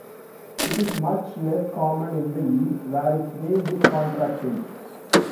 It is much less common in the east, where its range is contracting.